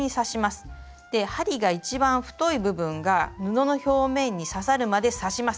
針が一番太い部分が布の表面に刺さるまで刺します。